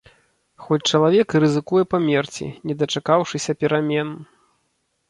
Хоць чалавек і рызыкуе памерці, не дачакаўшыся перамен.